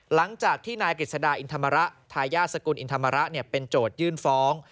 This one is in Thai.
หลังจากที่นายกฤษดาอินธรรมระทายาทสกุลอินธรรมระเป็นโจทยื่นฟ้อง